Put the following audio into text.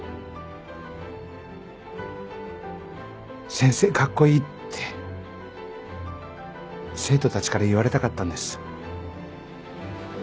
「先生カッコいい」って生徒たちから言われたかったんです。